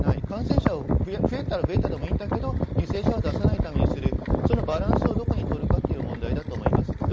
感染者が増えたら増えたでいいんだけど犠牲者を出さないためにするそのバランスをどこにとるかという問題だと思います。